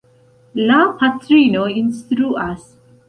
La patrino instruas.